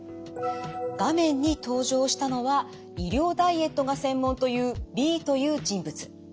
画面に登場したのは医療ダイエットが専門というＢという人物。